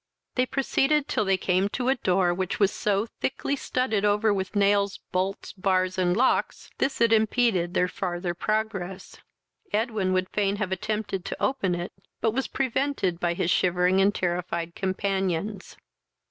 They proceeded till they came to a door which was so thickly studded over with nails, bolts, bars, and locks, this it impeded their farther progress. Edwin would fain have attempted to open it, but was prevented by his shivering and terrified companions.